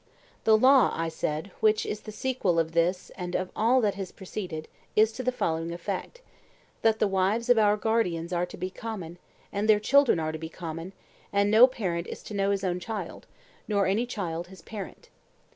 The law, I said, which is the sequel of this and of all that has preceded, is to the following effect,—'that the wives of our guardians are to be common, and their children are to be common, and no parent is to know his own child, nor any child his parent.